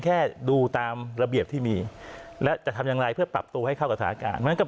แค่ดูตามระเบียบที่มีแล้วจะทำยังไงเพื่อปรับตัวให้เข้ากับ